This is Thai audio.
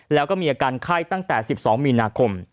แล้วก็มีอาการไข้ตั้งแต่๑๒มีนาคม